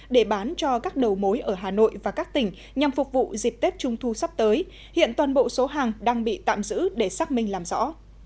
để bán cho các đầu mối ở hà nội và các tỉnh nhằm phục vụ dịp tết trung thu sắp tới hiện toàn bộ số hàng đang bị tạm giữ để xác minh làm rõ